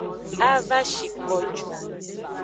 A va shi ko ju.